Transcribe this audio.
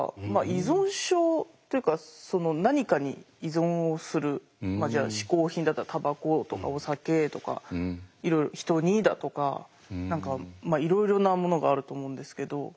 依存症というかその何かに依存をするまあじゃあ嗜好品だったらたばことかお酒とかいろいろ人にだとか何かいろいろなものがあると思うんですけど。